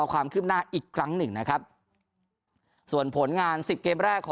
ความคืบหน้าอีกครั้งหนึ่งนะครับส่วนผลงานสิบเกมแรกของ